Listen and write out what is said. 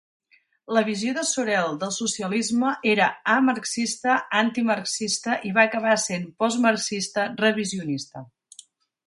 La visió de Sorel del socialisme era "a-marxista, antimarxista i va acabar sent postmarxista revisionista".